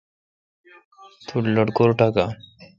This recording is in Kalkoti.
تو ٹھ لٹکور ٹاکان۔